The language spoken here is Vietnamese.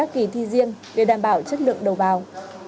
và các kỳ thi riêng để đảm bảo chất lượng đầu bào